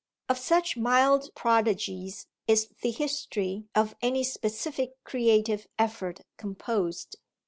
Of such mild prodigies is the "history" of any specific creative effort composed!